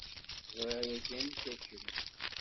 Ẓriɣ yagi anta kemm.